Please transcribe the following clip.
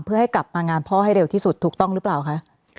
เพื่อให้กลับมางานพ่อให้เร็วที่สุดถูกต้องหรือเปล่าคะ